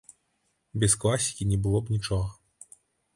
Без класікі не было б нічога.